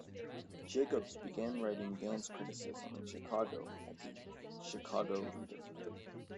Jacobs began writing dance criticism in Chicago at the "Chicago Reader".